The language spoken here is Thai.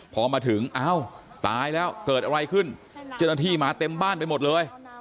พอมาถึงอ้าวตายแล้วเกิดอะไรขึ้นเจ้าหน้าที่มาเต็มบ้านไปหมดเลย